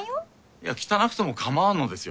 いや汚くとも構わんのですよ。